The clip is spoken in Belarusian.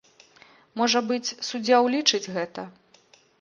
Можа быць, суддзя ўлічыць гэта.